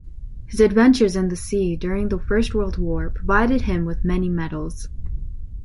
His adventures in the sea during the First World War provided him with many medals.